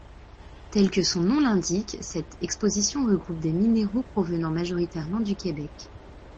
Tel que son nom l'indique, cette exposition regroupe des minéraux provenant majoritairement du Québec.